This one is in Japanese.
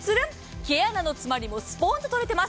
毛穴の詰まりもスポンと落ちます。